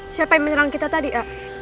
siapa yang menyerang kita tadi ya